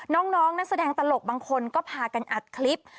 น้องนักแสดงตลกบางคนก็พากันอัดคลิป